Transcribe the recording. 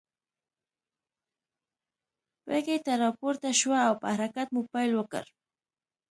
بګۍ ته را پورته شوه او په حرکت مو پيل وکړ.